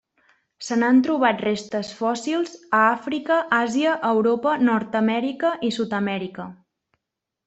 Se n'han trobat restes fòssils a Àfrica, Àsia, Europa, Nord-amèrica i Sud-amèrica.